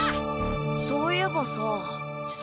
そういえばさ千里。